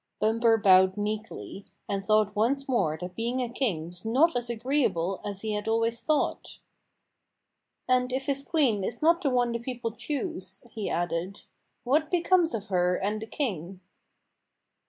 Bumper bowed meekly, and thought once more that being a king was not as agreeable as he had always thought. "And if his queen is not the one the people choose," he added, " what becomes of her and the king?"